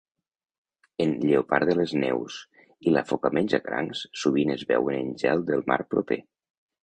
En lleopard de les neus i la foca menjacrancs sovint es veuen en gel del mar proper.